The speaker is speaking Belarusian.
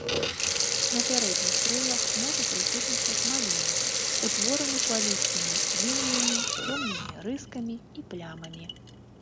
На пярэдніх крылах можа прысутнічаць малюнак, утвораны хвалістымі лініямі, цёмнымі рыскамі і плямамі.